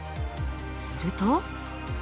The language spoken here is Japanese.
すると。